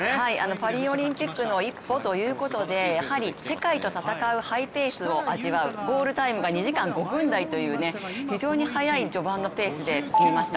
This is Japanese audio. パリオリンピックの一歩ということでやはり世界と戦うハイペースを味わうゴールタイムが２時間５分台という非常に早い序盤のペースで進みました。